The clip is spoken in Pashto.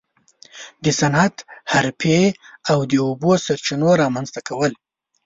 د صنعت، حرفې او د اوبو سرچینو رامنځته کول.